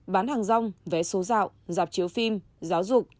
bán hàng rong vé số dạo dạp chiếu phim giáo dục